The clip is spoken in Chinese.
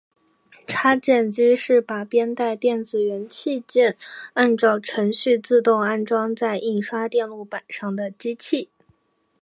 插件机是把编带电子元器件按照程序自动安装在印刷电路板上的机器。